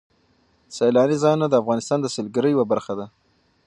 سیلاني ځایونه د افغانستان د سیلګرۍ یوه برخه ده.